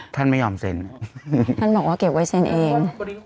ท่านไม่ยอมเซ็นท่านบอกว่าเก็บไว้เซ็นเอง